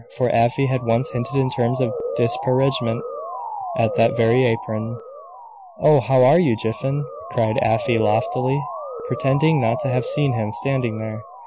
For Afy had once hinted in terms of disparagement at that very apron. "Oh how are you Jiffin?" cried Afy, loftily, pretending not to have seen him standing there.